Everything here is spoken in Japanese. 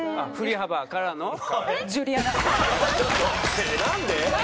振り幅からの？